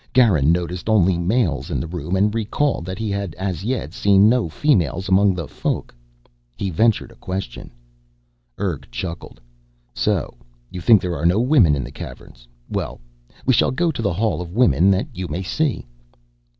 Garin noticed only males in the room and recalled that he had, as yet, seen no females among the Folk. He ventured a question. Urg chuckled. "So, you think there are no women in the Caverns? Well, we shall go to the Hall of Women that you may see."